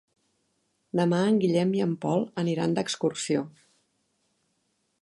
Demà en Guillem i en Pol aniran d'excursió.